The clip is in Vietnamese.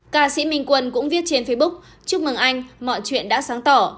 ca sĩ minh quân cũng viết trên facebook chúc mừng anh mọi chuyện đã sáng tỏ